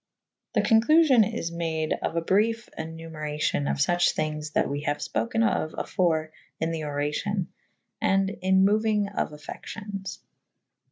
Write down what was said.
The conclufion is made of a brife enumeracion of fuche thynges that we haue fpoken of afore in the oracyon and in mouynge of affections.